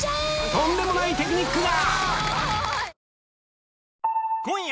とんでもないテクニックが！